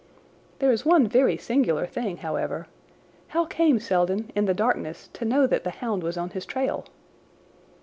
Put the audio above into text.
There is one very singular thing, however: How came Selden, in the darkness, to know that the hound was on his trail?"